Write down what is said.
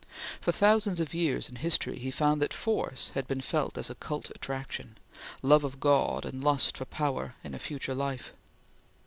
For thousands of years in history, he found that Force had been felt as occult attraction love of God and lust for power in a future life.